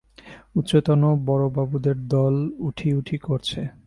উচ্চতন বড়োবাবুদের দল উঠি-উঠি করছে।